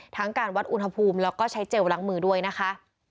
การวัดอุณหภูมิแล้วก็ใช้เจลล้างมือด้วยนะคะ